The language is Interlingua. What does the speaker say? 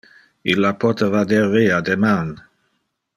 Illa pote vader via deman.